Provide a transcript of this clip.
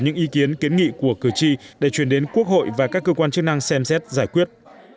những ý kiến kiến nghị của cử tri để chuyển đến quốc hội và các cơ quan chức năng xem xét giải quyết